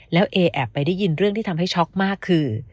แล้วเอแอบไปได้ยินเรื่องที่ทำให้ช็อกมากคือ